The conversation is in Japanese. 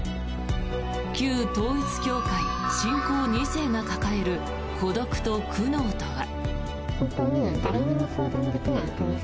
旧統一教会、信仰２世が抱える孤独と苦悩とは。